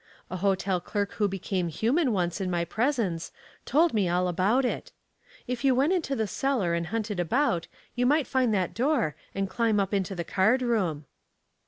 A hotel clerk who became human once in my presence told me all about it. If you went into the cellar and hunted about, you might find that door and climb up into the card room."